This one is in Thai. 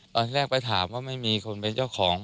ตอนแรกไปถามว่าไม่มีคนเป็นเจ้าของ